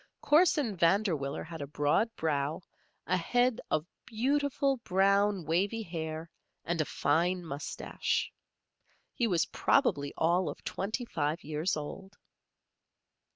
Corson Vanderwiller had a broad brow, a head of beautiful, brown, wavy hair, and a fine mustache. He was probably all of twenty five years old.